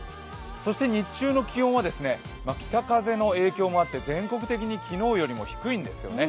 そして日中の気温は北風の影響もあって全国的に昨日よりも低いんですよね。